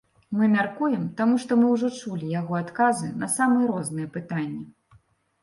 Мы мяркуем, таму што мы ўжо чулі яго адказы на самыя розныя пытанні.